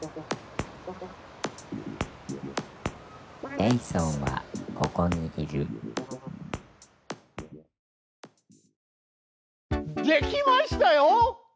ジェイソンはココにいるできましたよ！